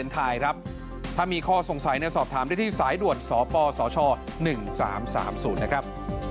ถ้ามีข้อสงสัยสอบถามได้ที่สายด่วนสปสช๑๓๓๐นะครับ